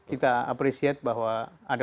kita apresiat bahwa ada